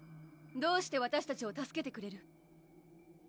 どうしてわたしたちを助けてくれる？